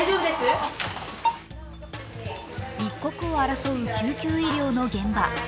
一刻を争う救急医療の現場